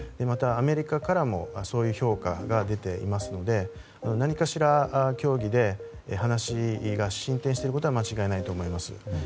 また、アメリカからもそういう評価が出ていますので何かしら協議で話が進展していることは間違いないと思います。